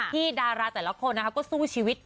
ที่ดาราแต่ละคนก็สู้ชีวิต